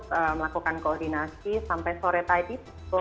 terus melakukan koordinasi sampai sore tadi